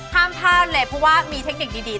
ห้ามพลาดเลยเพราะว่ามีเทคนิคดี